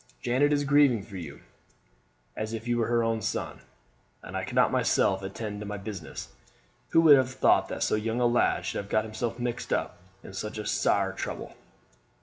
Janet is grieving for you as if you were her own son, and I cannot myself attend to my business. Who would have thought that so young a lad should have got himself mixed up in such sair trouble!"